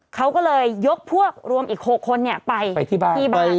เขาก็เลยยกพวกรวมอีก๖คนนี้ไป